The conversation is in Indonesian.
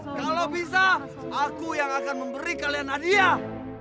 kalau bisa aku yang akan memberi kalian hadiah